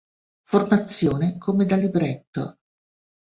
Formazione come da libretto.